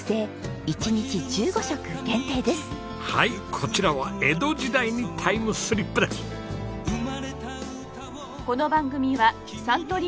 こちらは江戸時代にタイムスリップです！